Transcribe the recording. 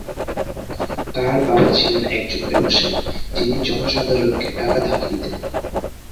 তার বাবা ছিলেন একজন ব্যবসায়ী, যিনি জনসাধারণকে টাকা ধার দিতেন।